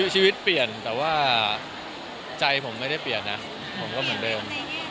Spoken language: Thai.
ชีวิตเปลี่ยนแต่ว่าใจผมไม่ได้เปลี่ยนนะผมก็เหมือนเดิม